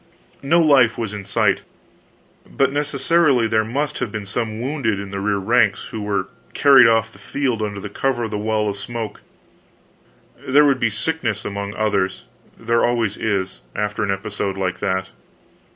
No life was in sight, but necessarily there must have been some wounded in the rear ranks, who were carried off the field under cover of the wall of smoke; there would be sickness among the others there always is, after an episode like that.